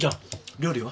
料理は？